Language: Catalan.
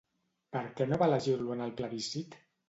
Per què no va elegir-lo en el plebiscit?